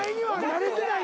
慣れてない？